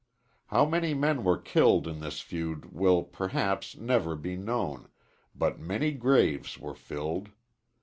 How many men were killed in this feud will, perhaps, never be known, but many graves were filled.